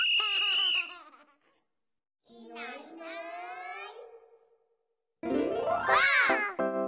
いないいないばあっ！